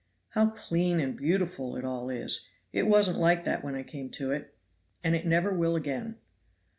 "How clean and beautiful it all is; it wasn't like that when I came to it, and it never will again."